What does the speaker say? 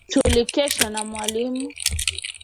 Tulikesha na mwalimu